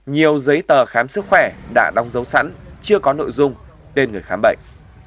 nhiều giấy tờ khám sức khỏe đã đong dấu sẵn chưa có nội dung tên người khám bệnh